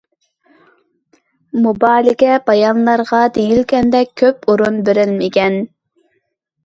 مۇبالىغە بايانلارغا دېگەندەك كۆپ ئورۇن بېرىلمىگەن.